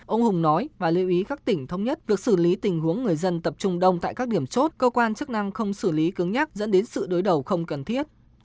ông hùng nói và lưu ý các tỉnh thống nhất việc xử lý tình huống người dân tập trung đông tại các điểm chốt cơ quan chức năng không xử lý cứng nhắc dẫn đến sự đối đầu không cần thiết